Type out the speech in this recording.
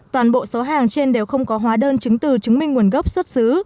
toàn bộ số hàng trên đều không có hóa đơn chứng từ chứng minh nguồn gốc xuất xứ